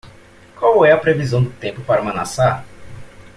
Qual é a previsão do tempo para Manassa??